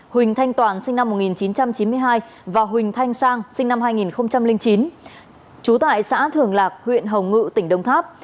huỳnh thanh toàn sinh năm một nghìn chín trăm chín mươi hai và huỳnh thanh sang sinh năm hai nghìn chín trú tại xã thường lạc huyện hồng ngự tỉnh đông tháp